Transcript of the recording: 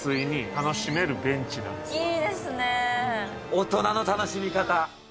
大人の楽しみ方。